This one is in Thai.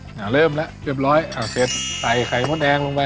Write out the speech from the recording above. หน้าตาไข่มดแดงคล้ายถั่วเนอะเชฟเนอะครับ